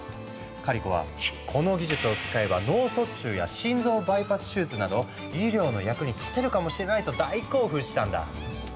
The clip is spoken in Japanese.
カリコは「この技術を使えば脳卒中や心臓バイパス手術など医療の役にたてるかもしれない」と大興奮したんだ。